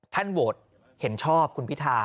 โหวตเห็นชอบคุณพิธา